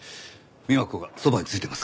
美和子がそばについてます。